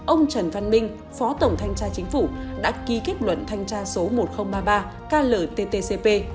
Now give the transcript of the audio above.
ông trần văn minh phó tổng thanh tra chính phủ đã ký kết luận thanh tra số một nghìn ba mươi ba klttcp